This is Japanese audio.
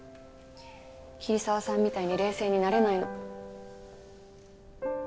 桐沢さんみたいに冷静になれないの。